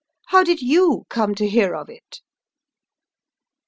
How did you come to hear of it?"